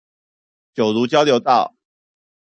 九如交流道